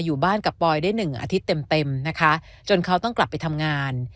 อยู่บ้านกับปอยได้หนึ่งอาทิตย์เต็มเต็มนะคะจนเขาต้องกลับไปทำงาน